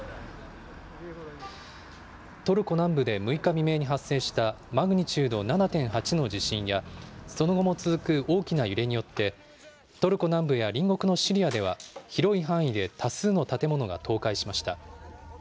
トルコ南部で６日未明に発生したマグニチュード７．８の地震や、その後も続く大きな揺れによって、トルコ南部や隣国のシリアでは、広い範囲で多数の建物が倒壊しました。